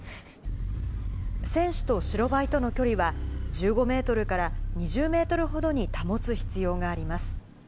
選手と白バイとの距離は、１５メートルから２０メートルほどに保つ必要があります。